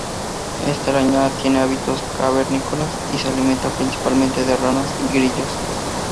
Esta araña tiene hábitos cavernícolas y se alimenta principalmente de ranas y grillos.